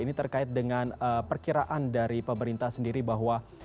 ini terkait dengan perkiraan dari pemerintah sendiri bahwa